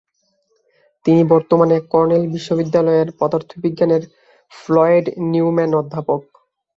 তিনি বর্তমানে কর্নেল বিশ্ববিদ্যালয়ের পদার্থবিজ্ঞানের ফ্লয়েড নিউম্যান অধ্যাপক।